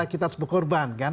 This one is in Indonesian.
kita harus berkorban kan